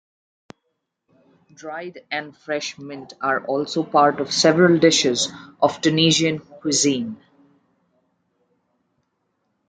Dried and fresh mint are also part of several dishes of Tunisian cuisine.